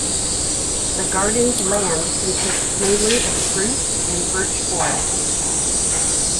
The Garden's land consists mainly of spruce and birch forest.